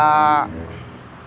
kita kan beli beli